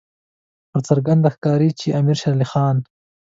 په څرګنده ښکاري چې امیر شېر علي خان.